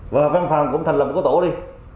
và căn phòng cũng thành là một cơ tổ đi